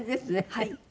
はい。